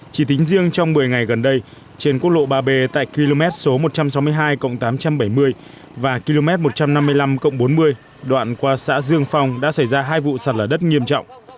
chỉ tính riêng trong một mươi ngày gần đây trên quốc lộ ba b tại km số một trăm sáu mươi hai tám trăm bảy mươi và km một trăm năm mươi năm bốn mươi đoạn qua xã dương phong đã xảy ra hai vụ sạt lở đất nghiêm trọng